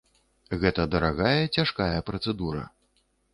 Гэта дарагая, цяжкая працэдура.